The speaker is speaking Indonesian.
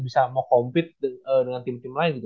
bisa mau compete dengan tim tim lain gitu